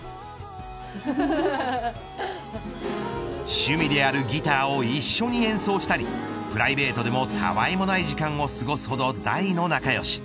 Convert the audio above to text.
趣味であるギターを一緒に演奏したりプライベートでもたわいもない時間を過ごすほど大の仲良し。